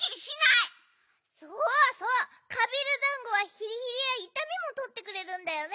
そうそうカビールだんごはヒリヒリやいたみもとってくれるんだよね。